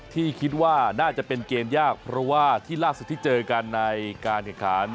ที่คิดว่าน่าจะเป็นเกมยากเพราะว่าที่ล่าสุดที่เจอกันในการแข่งขัน